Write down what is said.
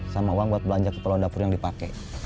sama uang buat belanja ke tolong dapur yang dipake